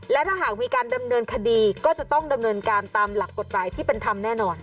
และถ้าหากมีการดำเนินคดีก็จะต้องดำเนินการตามหลักกฎหมายที่เป็นธรรมแน่นอน